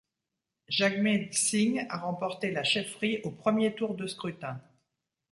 Jagmeet Singh a remporté la chefferie au premier tour de scrutin.